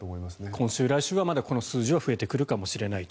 今週、来週はまだこの数字は増えてくるかもしれないと。